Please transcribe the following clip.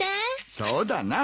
そうだな。